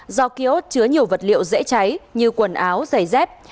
do kiosk chứa nhiều vật liệu dễ cháy như quần áo giày dép